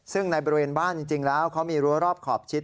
ซึ่งในบริเวณบ้านจริงแล้วเขามีรั้วรอบขอบชิด